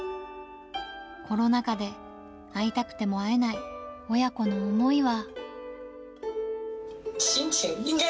コロナ禍で会いたくても会えない親子の思いは。